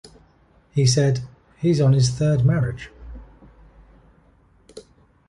He said, He's on his third marriage.